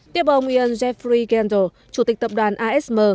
tiếp ông ian jeffrey gendel chủ tịch tập đoàn asm